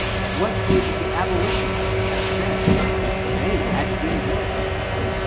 What would the abolition ists have said, if they had been there?